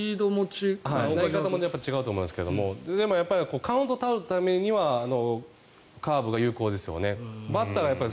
投げ方も違うと思いますけどカウントを取るためにはカーブが有効ですよね。